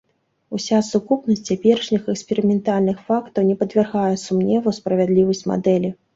Уся сукупнасць цяперашніх эксперыментальных фактаў не падвяргае сумневу справядлівасць мадэлі.